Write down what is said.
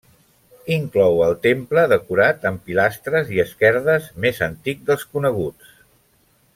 Inclou el temple decorat amb pilastres i esquerdes més antic dels coneguts.